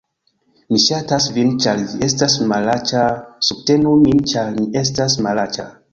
Mi ŝatas vin ĉar vi estas malaĉa subtenu min ĉar mi estas malaĉa